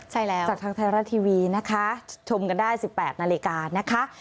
ใช่แล้วจากทางไทยรัฐทีวีนะคะชมกันได้๑๘นาฬิกานะคะ